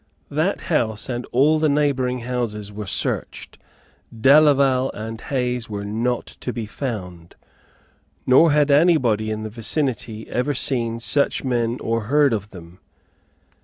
That house and all the neighbouring houses were searched. Delaval and Hayes were not to be found, nor had any body in the vicinity ever seen such men or heard of them.